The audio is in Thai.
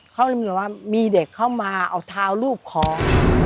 เขาเรียกว่ามีเด็กเข้ามาเอาเท้าลูกคล้อง